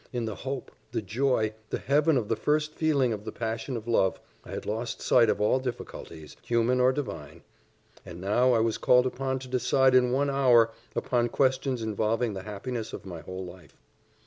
In the hope, the joy, the heaven of the first feelings of the passion of love, I had lost sight of all difficulties, human or divine; and now I was called upon to decide in one hour upon questions involving the happiness of my whole life.